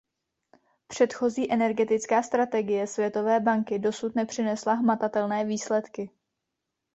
Předchozí energetická strategie Světové banky dosud nepřinesla hmatatelné výsledky.